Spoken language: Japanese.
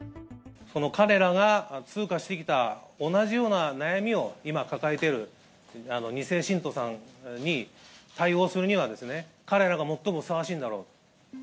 この彼らが通過してきた同じような悩みを今、抱えている２世信徒さんに対応するにはですね、彼らが最もふさわしいんだろうと。